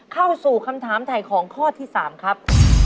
เข้าสู่คำถามถ่ายของข้อที่๓ครับ